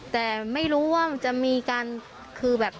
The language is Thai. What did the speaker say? แต่ไม่รู้ว่ามันจะมีการคือแบบ